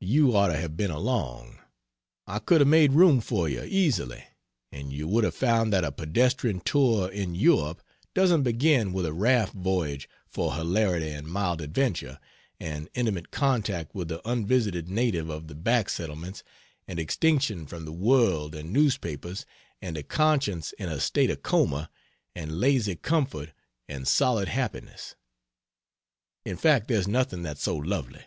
You ought to have been along I could have made room for you easily and you would have found that a pedestrian tour in Europe doesn't begin with a raft voyage for hilarity and mild adventure, and intimate contact with the unvisited native of the back settlements, and extinction from the world and newspapers, and a conscience in a state of coma, and lazy comfort, and solid happiness. In fact there's nothing that's so lovely.